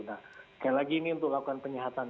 sekali lagi untuk melakukan penyihatan